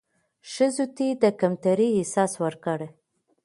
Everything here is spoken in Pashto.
ښځو ته د کمترۍ احساس ورکړى